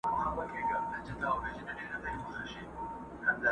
چي تازه هوا مي هره ورځ لرله،